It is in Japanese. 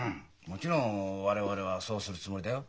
もちろん我々はそうするつもりだよ。